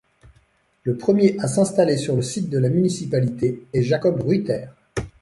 Le premier à s'installer sur le site de la municipalité est Jacob Ruiter.